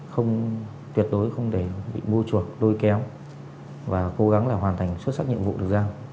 không tuyệt đối không để bị mua chuộc lôi kéo và cố gắng là hoàn thành xuất sắc nhiệm vụ được giao